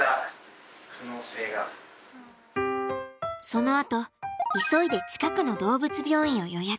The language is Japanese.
そのあと急いで近くの動物病院を予約。